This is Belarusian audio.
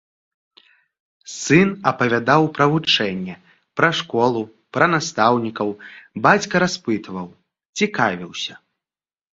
Сын апавядаў пра вучэнне, пра школу, пра настаўнікаў, бацька распытваў, цікавіўся.